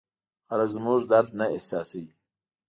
خلک زموږ درد نه احساسوي.